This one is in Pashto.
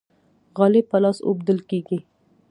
غالۍ په لاس اوبدل کیږي.